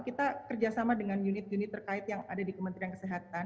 kita kerjasama dengan unit unit terkait yang ada di kementerian kesehatan